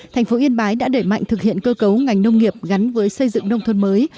thành phố yên bái đã đẩy mạnh thực hiện cơ cấu ngành nông nghiệp gắn với xây dựng nông thôn mới